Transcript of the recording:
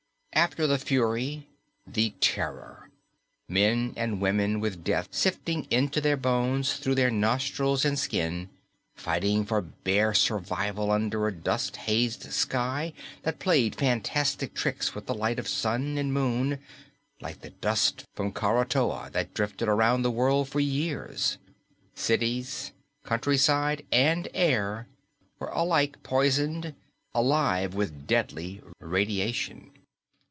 After the Fury, the Terror. Men and women with death sifting into their bones through their nostrils and skin, fighting for bare survival under a dust hazed sky that played fantastic tricks with the light of Sun and Moon, like the dust from Krakatoa that drifted around the world for years. Cities, countryside, and air were alike poisoned, alive with deadly radiation.